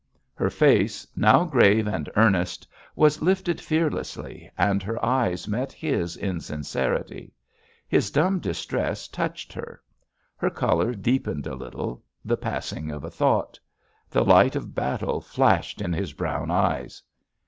Her face, now grave and earnest, was lifted fearlessly and her eyes met his in sincerity. His dumb distress touched her. Her color deepened a little — the passing of a thought. The light of battle flashed in his brown eyes.